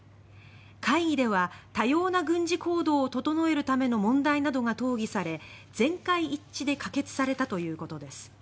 会議では多様な軍事行動を整えるための問題などが討議され全会一致で可決されたということです。